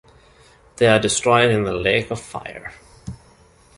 They are destroyed in the Lake of fire.